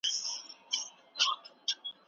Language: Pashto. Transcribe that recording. هغه محصلین چي زیار باسي تل بریالي وي.